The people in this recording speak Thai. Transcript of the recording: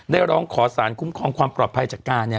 ได้ร้องขอสารคุ้มคลุมความปลอดภัยจากการฟี